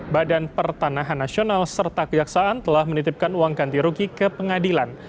badan pertanahan nasional serta kejaksaan telah menitipkan uang ganti rugi ke pengadilan